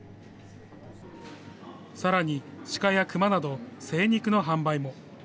さらに鹿や熊など、精肉の販売も。